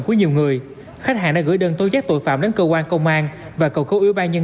của nhiều người khách hàng đã gửi đơn tố giác tội phạm đến cơ quan công an và cầu cấu ủy ban nhân